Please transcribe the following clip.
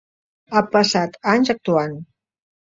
Ha passat anys actuant.